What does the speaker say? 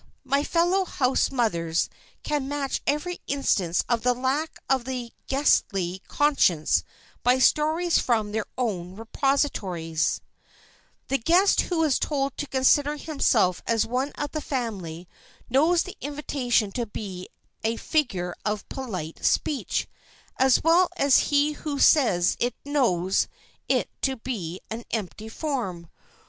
my fellow housemothers can match every instance of the lack of the guestly conscience by stories from their own repositories. [Sidenote: ANNOYING FAMILIARITIES] The guest who is told to consider himself as one of the family knows the invitation to be a figure of polite speech as well as he who says it knows it to be an empty form.